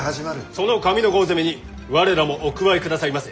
その上ノ郷攻めに我らもお加えくださいませ！